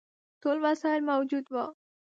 ټول وسایل موجود وه.